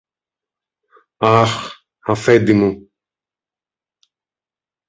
Αχ, Αφέντη μου!